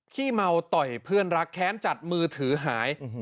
ขี้เมาต่อยเพื่อนรักแค้นจัดมือถือหาย